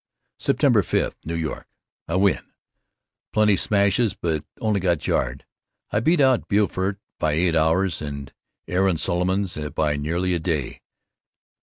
September 5: New York! I win! Plenty smashes but only got jarred. I beat out Beaufort by eight hours, and Aaron Solomons by nearly a day.